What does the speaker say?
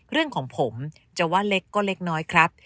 เรื่องของผมจะว่าเล็กก็เล็กน้อยครับ